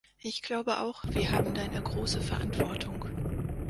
Ich glaube auch, wir haben da eine große Verantwortung.